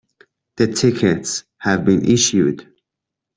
The tickets have been issued.